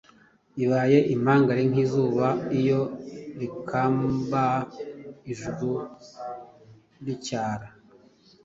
Ibaye impangare nk'izuba Iyo rikakamba ijuru ricyara,